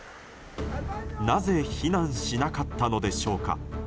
なぜ避難しなかったのでしょうか。